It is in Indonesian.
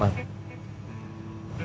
ma kayak suara sobri